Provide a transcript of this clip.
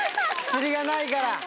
薬がないから。